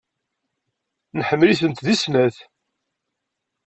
Nḥemmel-itent deg snat.